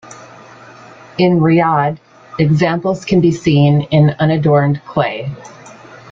In Riyadh, examples can be seen in unadorned clay.